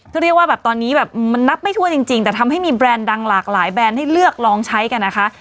ก็เรียกว่าแบบตอนนี้แบบมันนับไม่ทั่วจริงแต่ทำให้มีแบรนด์ดังหลากหลายแบรนด์ให้เลือกลองใช้กันนะคะ